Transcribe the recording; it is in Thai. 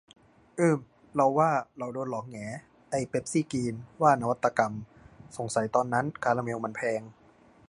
อืม เราว่า เราโดนหลอกแหง ไอ้เป็ปซี่กรีน ว่านวัตกรรม สงสัยตอนนั้นคาราเมลมันแพง